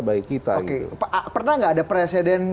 baik kita pernah nggak ada presiden